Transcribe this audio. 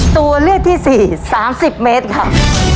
ตัวเลือกที่สี่สามสิบเมตรค่ะ